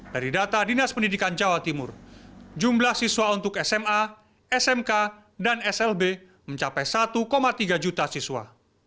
dari data dinas pendidikan jawa timur jumlah siswa untuk sma smk dan slb mencapai satu tiga juta siswa